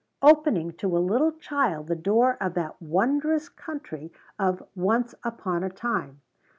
opening to a little child the door of that wondrous country of Once upon a Time!